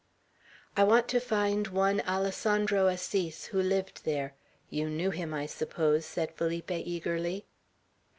"I want to find one Alessandro Assis who lived there. You knew him, I suppose," said Felipe, eagerly.